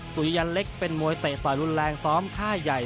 สุริยันเล็กเป็นมวยเตะต่อยรุนแรงซ้อมค่ายใหญ่